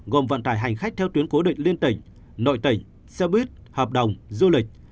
gồm vận tải hành khách theo tuyến cố định liên tỉnh nội tỉnh xe buýt hợp đồng du lịch